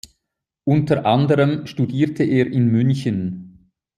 Unter anderem studierte er in München.